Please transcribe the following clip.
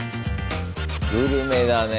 グルメだね。